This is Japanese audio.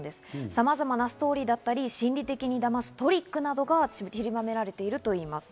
さまざまなストーリーだったり心理的にだますトリックなどが散りばめられているといいます。